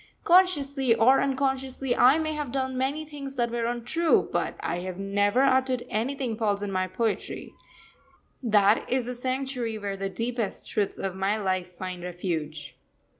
Consciously or unconsciously, I may have done many things that were untrue, but I have never uttered anything false in my poetry that is the sanctuary where the deepest truths of my life find refuge.